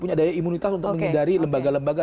punya daya imunitas untuk menghindari lembaga lembaga